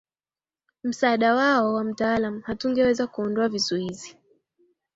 msaada wao wa mtaalam hatungeweza kuondoa vizuizi